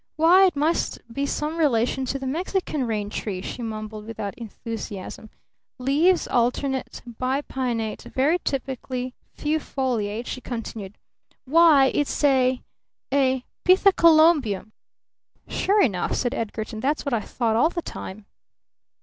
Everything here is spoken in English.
Why, it must be some relation to the Mexican rain tree," she mumbled without enthusiasm. "Leaves alternate, bi pinnate, very typically few foliate," she continued. "Why, it's a a Pithecolobium." "Sure enough," said Edgarton. "That's what I thought all the time."